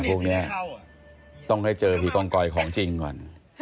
พวกนี้ต้องให้เจอที่กองกอยของจริงก่อน